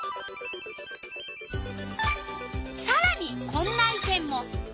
さらにこんな意見も。